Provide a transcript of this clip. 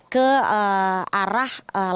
ke arah lapangan tebak senayan